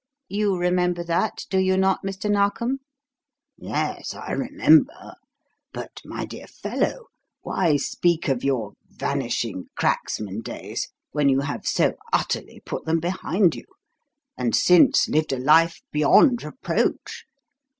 You remember that, do you not, Mr. Narkom?" "Yes, I remember. But, my dear fellow, why speak of your 'vanishing cracksman' days when you have so utterly put them behind you, and since lived a life beyond reproach?